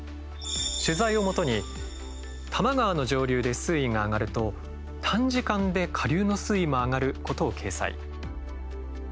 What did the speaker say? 取材をもとに多摩川の上流で水位が上がると短時間で下流の水位も上がることを掲載。